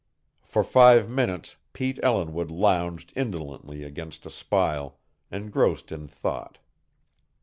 For five minutes Pete Ellinwood lounged indolently against a spile, engrossed in thought.